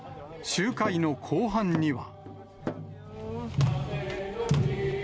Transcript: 集会の後半には。